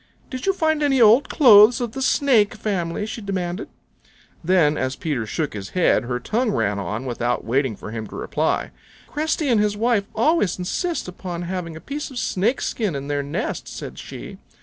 "Did you find any old clothes of the Snake family?" she demanded. Then as Peter shook his head her tongue ran on without waiting for him to reply. "Cresty and his wife always insist upon having a piece of Snake skin in their nest," said she.